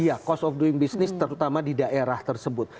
iya cost of doing business terutama di daerah tersebut